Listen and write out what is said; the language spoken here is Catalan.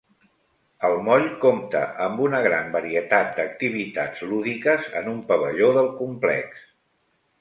El moll compta amb una gran varietat d'activitats lúdiques en un pavelló del complex.